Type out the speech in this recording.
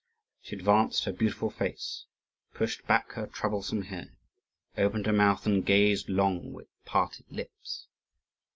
She advanced her beautiful face, pushed back her troublesome hair, opened her mouth, and gazed long, with parted lips.